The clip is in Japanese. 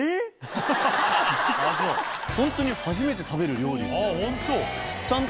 ホントに初めて食べる料理っすね。